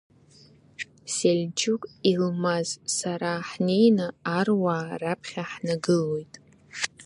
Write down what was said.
Сельчук, Илмаз, сара ҳнеины аруаа раԥхьа ҳнагылоит.